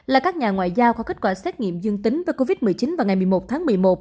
là các nhà ngoại giao có kết quả xét nghiệm dương tính với covid một mươi chín vào ngày một mươi một tháng một mươi một